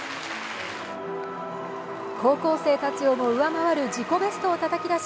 高校生たちをも上回る自己ベストをたたき出し